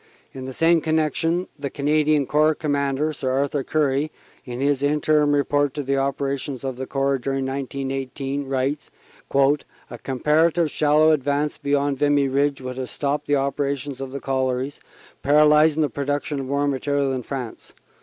In the same connection the Canadian Corps Com mander, Sir Arthur Currie, in his Interim Report on the opera tions of the Corps during 1918, writes: "A comparative shal low advance beyond the Vimy Ridge would have stopped the operation of the collieries, paralysing the production of war material in France.